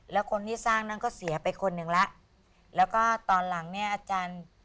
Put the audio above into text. แล้วคนที่สร้างนั้นก็เสียไปคนหนึ่งแล้วแล้วก็ตอนหลังเนี่ยอาจารย์